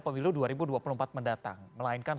pemilu dua ribu dua puluh empat mendatang melainkan